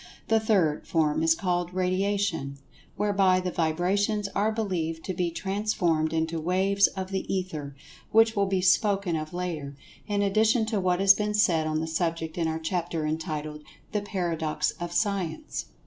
The third form is called "Radiation," whereby the vibrations are believed to be transformed into "waves of the Ether," which will be spoken of later, in addition to what has been said on the subject in our chapter entitled "The Paradox of Science."